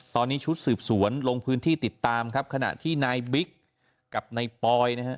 ตอนนี้ชุดสืบสวนลงพื้นที่ติดตามครับขณะที่นายบิ๊กกับนายปอยนะฮะ